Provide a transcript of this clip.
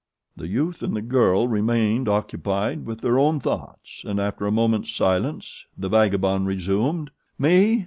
The youth and the girl remained occupied with their own thoughts, and after a moment's silence the vagabond resumed: "'Me?